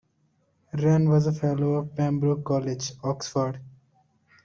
Wrenn was a Fellow of Pembroke College, Oxford.